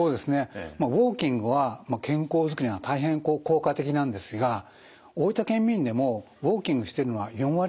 ウォーキングは健康づくりには大変効果的なんですが大分県民でもウォーキングしてるのは４割ちょっとだったんですね。